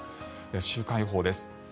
週間予報です。